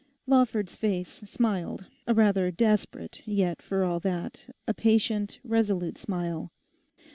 Lawford's face smiled—a rather desperate, yet for all that a patient, resolute smile.